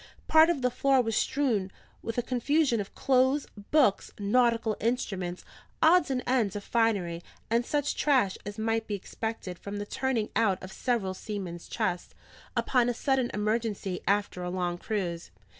Part of the floor was strewn with a confusion of clothes, books, nautical instruments, odds and ends of finery, and such trash as might be expected from the turning out of several seamen's chests, upon a sudden emergency and after a long cruise.